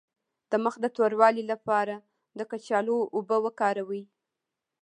د مخ د توروالي لپاره د کچالو اوبه وکاروئ